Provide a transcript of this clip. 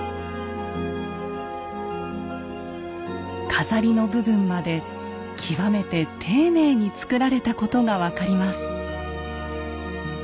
飾りの部分まで極めて丁寧に作られたことが分かります。